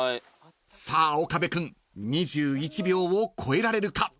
［さあ岡部君２１秒を超えられるか］